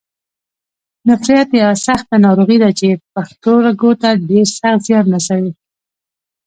نفریت یوه سخته ناروغي ده چې پښتورګو ته ډېر سخت زیان رسوي.